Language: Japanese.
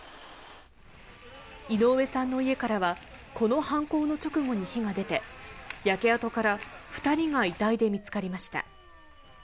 井上さんの家からは、この犯行の直後に火が出て、焼け跡から２人が遺体で見つかりました。